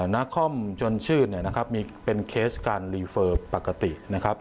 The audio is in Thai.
นครมจนชื่นมีเป็นเคสการรีเฟอร์ปกตินะครับ